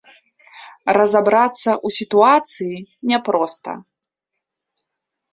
Разабрацца ў сітуацыі няпроста.